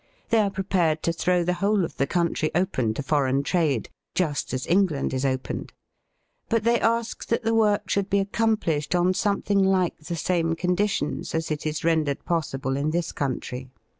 They are prepared to throw the whole of the country open to foreign trade, just as England is opened. But they ask that the work should be accompKshed on something like the same conditions as it is rendered possible in this country.